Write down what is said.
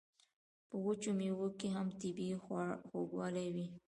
په وچو میوو کې هم طبیعي خوږوالی وي.